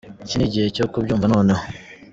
Iki ni gihe cyo kubyumva noneho.